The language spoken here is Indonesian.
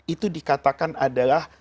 itu dikatakan adalah